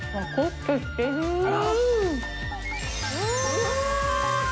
うわ！